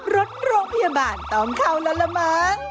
รถโรงพยาบาลต้องเข้าแล้วละมั้ง